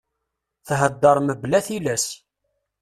Thedder mebla tilas.